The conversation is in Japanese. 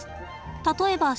例えば食。